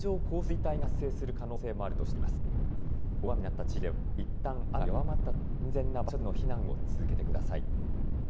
大雨になった地域ではいったん雨が弱まったとしても安全な場所での避難を続けてください。